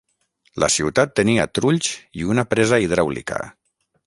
La ciutat tenia trulls i una presa hidràulica.